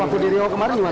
waktu di rio kemarin gimana